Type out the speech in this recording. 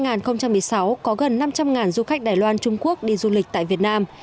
năm hai nghìn một mươi sáu có gần năm trăm linh du khách đài loan trung quốc đi du lịch tại việt nam